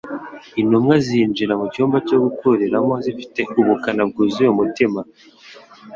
Intumwa zinjira mu cyumba cyo kuriramo zifite ubukana bwuzuye mu mitima.